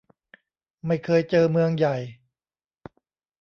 ไม่เคยเจอเมืองใหญ่